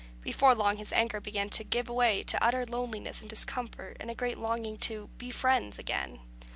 Before long his anger began to give way to utter loneliness and discomfort, and a great longing to "be friends" again.